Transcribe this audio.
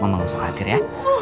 mama gak usah khawatir ya